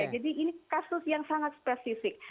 jadi ini kasus yang sangat spesifik